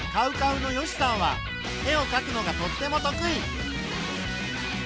ＣＯＷＣＯＷの善しさんは絵をかくのがとっても得意。